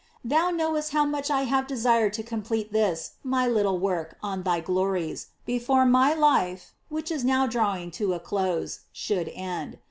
Thou knowest how much I have desired to com plete this my little work on thy glories, before my life, which is now drawing to a close, should end.